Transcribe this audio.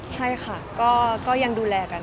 ใช่ค่ะก็ยังดูแลกัน